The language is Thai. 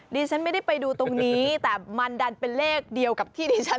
ดิฉันไม่ได้ไปดูตรงนี้แต่มันดันเป็นเลขเดียวกับที่ดิฉัน